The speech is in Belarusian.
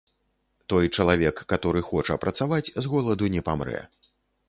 Той чалавек, каторы хоча працаваць, з голаду не памрэ.